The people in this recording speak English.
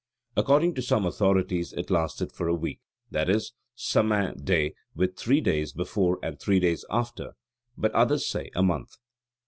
According to some authorities it lasted for a week, i.e., Samain day with three days before and three days after: but others say a month.